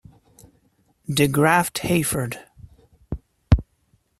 de Graft-Hayford.